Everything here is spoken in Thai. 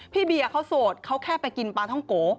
เบียร์เขาโสดเขาแค่ไปกินปลาท่องโก